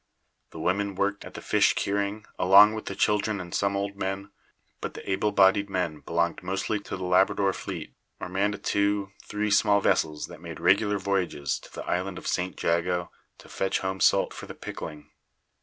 The women worked at the fish curing, along with the children and some old men, but the able bodied men belonged mostly to the Labrador fleet, or manned a two three small vessels that made regular voyages to the Island of St. Jago to fetch home salt for the pickling.